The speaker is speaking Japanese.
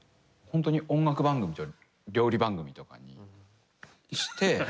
音楽番組と料理番組とかにして。